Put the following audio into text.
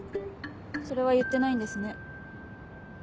それは言ってないんですね。